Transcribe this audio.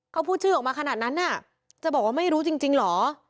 เขาพูดชื่อออกมาขนาดนั้นน่ะจะบอกว่าไม่รู้จริงเหรอ